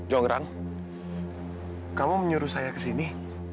jongdrang kamu menyuruh saya kesini